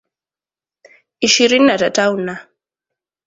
ishirini na tatau na